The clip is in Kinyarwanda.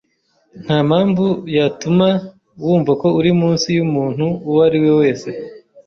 Ntampamvu yatuma wumva ko uri munsi yumuntu uwo ari we wese.